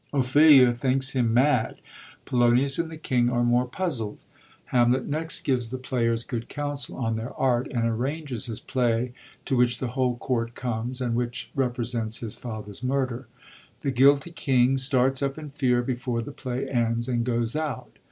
Ophelia thinks him mad ; Polonius and the king are more puzzled. Hamlet 1x8 HAMLET next gives the players good counsel on their art, and arranges his play, to which the whole Court conies, and which represents his father^s murder. The guilty king starts up in fear before the play ends, and goes out.